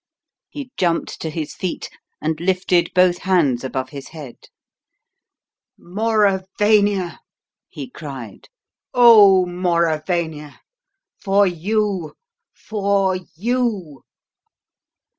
He jumped to his feet and lifted both hands above his head. "Mauravania!" he cried. "Oh, Mauravania! For you! For you!"